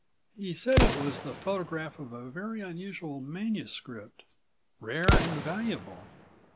"He said it was the photograph of a very unusual manuscript, rare and valuable."